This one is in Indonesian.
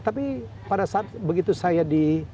tapi pada saat begitu saya di